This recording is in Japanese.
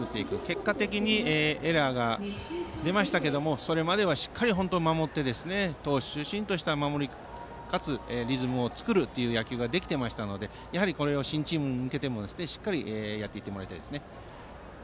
結果的にエラーが出ましたがそれまではしっかりと守って投手中心とした守り、かつリズムを作る守りという野球ができていましたのでこれを新チームに向けてもしっかりやっていってもらいたいですね。